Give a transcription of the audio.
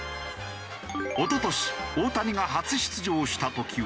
一昨年大谷が初出場した時は。